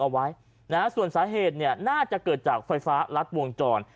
เอาไว้นะฮะส่วนสาเหตุเนี่ยน่าจะเกิดจากไฟฟ้ารัดวงจร